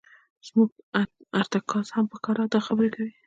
زموږ ارتکاز هم په ښکاره دا خبره کوي.